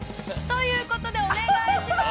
◆ということで、お願いします。